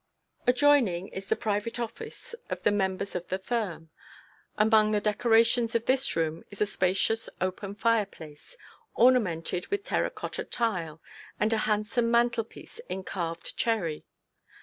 Adjoining is the private office of the members of the firm; among the decorations of this room is a spacious open fire place, ornamented with terra cotta tile and a handsome mantelpiece in carved cherry.